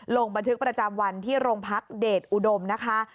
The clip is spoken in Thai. ลงบันทึกประจำวันที่โรงพักเดชอุดมนะคะ